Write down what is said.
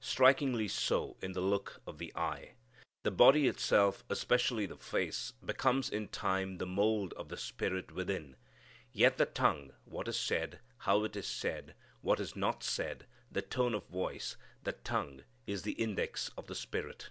Strikingly so in the look of the eye. The body itself, especially the face, becomes in time the mould of the spirit within. Yet the tongue what is said, how it is said, what is not said, the tone of voice the tongue is the index of the spirit.